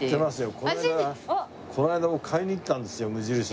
この間この間も買いに行ったんですよ無印